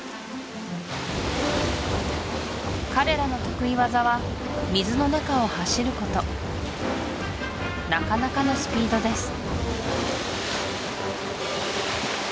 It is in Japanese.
彼らの得意技は水の中を走ることなかなかのスピードです